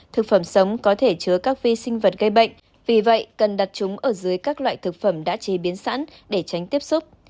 thực phẩm sống có thể chứa các vi sinh vật gây bệnh vì vậy cần đặt chúng ở dưới các loại thực phẩm đã chế biến sẵn để tránh tiếp xúc